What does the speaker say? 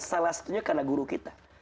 salah satunya karena guru kita